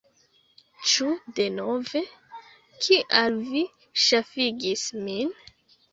Ĉu denove? Kial vi ŝafigis min?